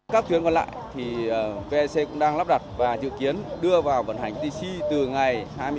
các tuyến còn lại thì vec cũng đang lắp đặt và dự kiến đưa vào vận hành ttc từ ngày